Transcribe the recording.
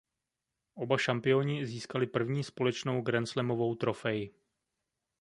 Oba šampioni získali první společnou grandslamovou trofej.